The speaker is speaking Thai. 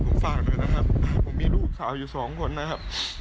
ผมฝากเลยนะครับผมมีลูกสาวอยู่สองคนนะครับ